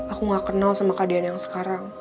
aku gak kenal sama kak deyan yang sekarang